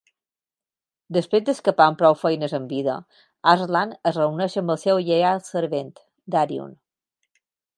Després d'escapar amb prou feines amb vida, Arslan es reuneix amb el seu lleial servent, Daryun.